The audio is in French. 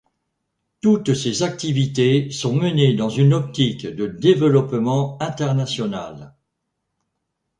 Toutes ces activités sont menées dans une optique de développement international.